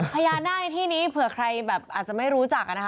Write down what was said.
พญานาคที่นี้เผื่อใครอาจจะไม่มีรู้จัก